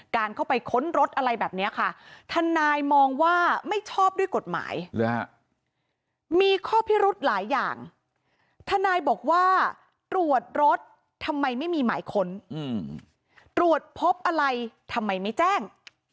การเข้าไปค้นรถอะไรแบบนี้ค่ะทนายมองว่าไม่ชอบด้วยกฎหมายมีข้อพิรุธหลายอย่างทนายบอกว่าตรวจรถทำไมไม่มีหมายค้นตรวจพบอะไรทำไมไม่แจ้ง